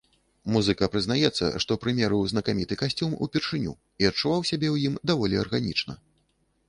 Музыка прызнаецца, што прымерыў знакаміты касцюм упершыню і адчуваў сябе ў ім даволі арганічна.